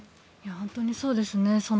本当にそうですね。